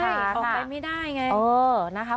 เขาไปไม่ได้ไง